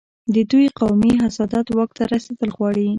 د دوی قومي حسادت واک ته رسېدل غواړي.